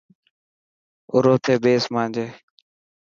ارو ٿي ٻيسن مانجي.